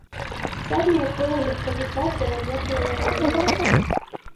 Задняе кола легкавіка пераехала яго ногі.